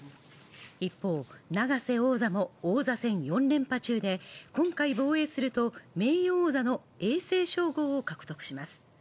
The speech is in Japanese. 一方、永瀬王座も王座戦４連覇中で、今回防衛すると名誉王座の永世称号を獲得します。